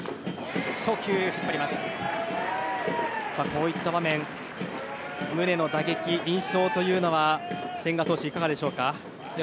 こういった場面、宗の打撃印象というのは千賀投手いかがでしょうか？